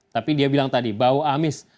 tapi dia bilang tadi bau amis